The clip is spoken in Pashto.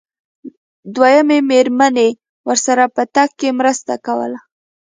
دويمې مېرمنې ورسره په تګ کې مرسته کوله.